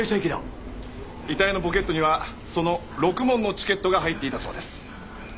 遺体のポケットにはそのろくもんのチケットが入っていたそうです。